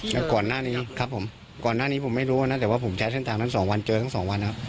ก่อนหน้านี้ครับผมก่อนหน้านี้ผมไม่รู้นะแต่ว่าผมใช้เส้นทางนั้นสองวันเจอทั้งสองวันนะครับ